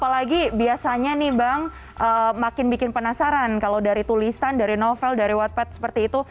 jadi biasanya nih bang makin bikin penasaran kalau dari tulisan dari novel dari what part seperti itu